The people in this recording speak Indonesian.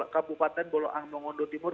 kabupaten boloah mengondo timur